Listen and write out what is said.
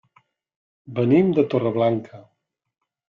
Venim de Torreblanca.